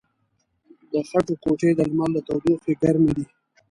د خټو کوټې د لمر له تودوخې ګرمې دي.